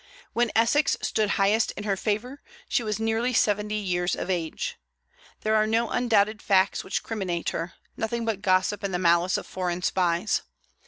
When Essex stood highest in her favor, she was nearly seventy years of age. There are no undoubted facts which criminate her, nothing but gossip and the malice of foreign spies.